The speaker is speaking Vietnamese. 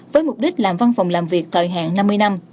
với mục đích làm văn phòng làm việc thời hạn năm mươi năm